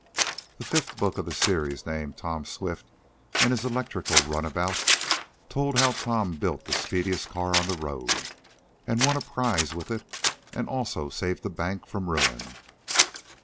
The fifth book of the series, named "Tom Swift and His Electrical Runabout," told how Tom built the speediest car on the road, and won a prize with it, and also saved a bank from ruin.